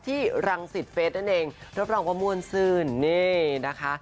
รังสิตเฟสนั่นเองรับรองว่าม่วนซื่นนี่นะคะ